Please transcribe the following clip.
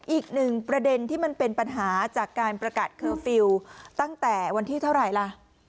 อีกหนึ่งประเด็นที่มันเป็นปัญหาจากการประกาศเคอร์ฟิลล์ตั้งแต่วันที่เท่าไหร่ล่ะ